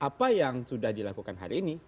apa yang sudah dilakukan hari ini